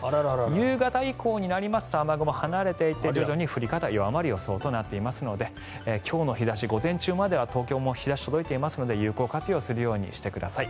夕方以降になりますと雨雲、離れていって徐々に降り方、弱まる予想となっていますので今日の日差し、午前中までは東京も日差しが届いているので有効活用してください。